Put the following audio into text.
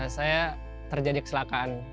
saya terjadi keselakaan